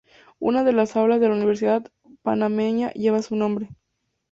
Una de las aulas de la universidad panameña lleva su nombre.